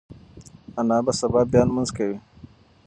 انا به سبا بیا لمونځ کوي.